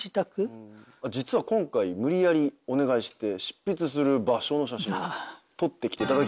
実は今回無理やりお願いして執筆する場所の写真を撮ってきていただきました